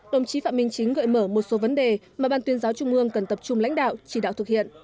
đồng chí phạm minh chính gợi mở một số vấn đề mà ban tuyên giáo trung ương cần tập trung lãnh đạo chỉ đạo thực hiện